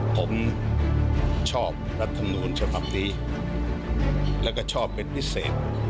ผมชอบรัฐมนูญฉบับนี้แล้วก็ชอบเป็นพิเศษ